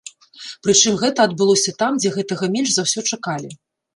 Прычым гэта адбылося там, дзе гэтага менш за ўсё чакалі.